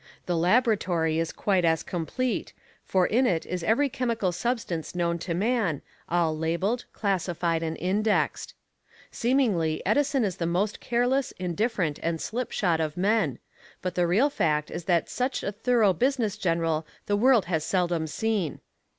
The Laboratory is quite as complete, for in it is every chemical substance known to man, all labeled, classified and indexed. Seemingly, Edison is the most careless, indifferent and slipshod of men, but the real fact is that such a thorough business general the world has seldom seen.